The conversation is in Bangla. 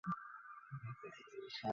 তোর প্রশ্নের উত্তর, আমি পুলিশ।